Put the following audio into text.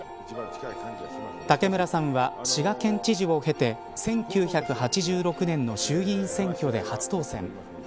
武村さんは滋賀県知事を経て１９８６年の衆議院選挙で初当選。